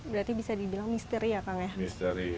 berarti bisa dibilang misteri ya pak